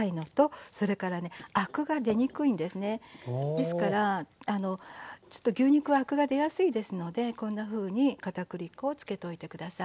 ですから牛肉はアクが出やすいですのでこんなふうに片栗粉をつけといて下さい。